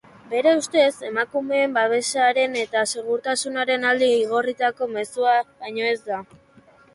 Bere ustez, emakumeen babesaren eta segurtasunaren alde igorritako mezua baino ez da.